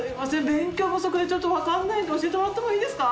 勉強不足でちょっとわかんないんで教えてもらってもいいですか？」